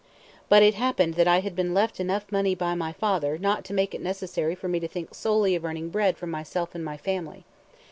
But it happened that I had been left enough money by my father not to make it necessary for me to think solely of earning bread for myself and my family.